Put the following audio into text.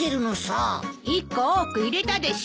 １個多く入れたでしょ。